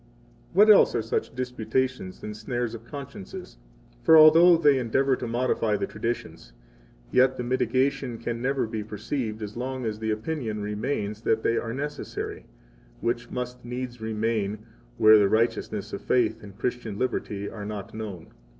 What else 64 are such disputations than snares of consciences? For although they endeavor to modify the traditions, yet the mitigation can never be perceived as long as the opinion remains that they are necessary, which must needs remain where the righteousness of faith and Christian liberty are not known.